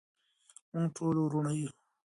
موږ ټول ورونه یو.